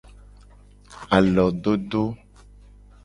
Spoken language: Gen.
Alododo.